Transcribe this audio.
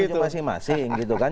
saling menunjuk masing masing gitu kan